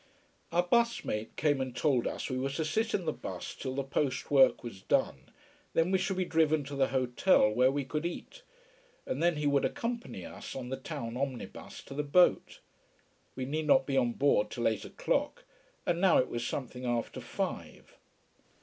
Our bus mate came and told us we were to sit in the bus till the post work was done, then we should be driven to the hotel where we could eat, and then he would accompany us on the town omnibus to the boat. We need not be on board till eight o'clock: and now it was something after five.